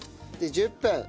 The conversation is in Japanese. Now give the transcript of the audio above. で１０分。